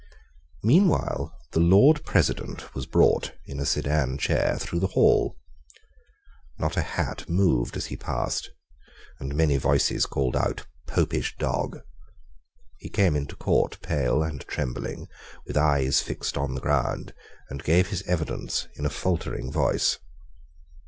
Meanwhile the Lord President was brought in a sedan chair through the hall. Not a hat moved as he passed; and many voices cried out "Popish dog." He came into Court pale and trembling, with eyes fixed on the ground, and gave his evidence in a faltering voice.